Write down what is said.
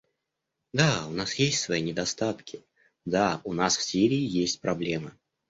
Да, у нас есть свои недостатки; да, у нас в Сирии есть проблемы.